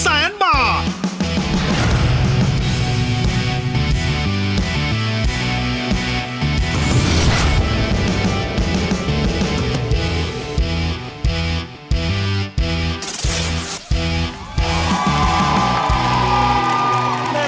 จำนวนแผ่นป้ายได้สูงสุดถึง๑๐๐๐บาท